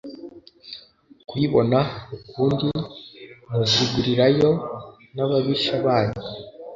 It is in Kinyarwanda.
kuyibona ukundi Muzigurirayo n ababisha banyu